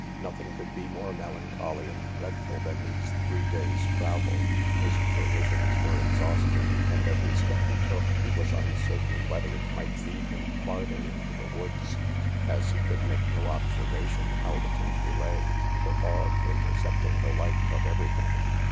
Nothing could be more melancholy and dreadful than these three days' travel; his provisions were exhausted, and every step he took he was uncertain whether it might lead him farther into the woods, as he could make no observation how the country lay, the fog intercepting the light of every thing.